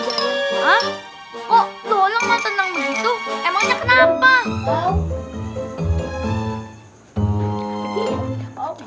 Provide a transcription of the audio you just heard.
hah kok lorong gak tenang begitu emangnya kenapa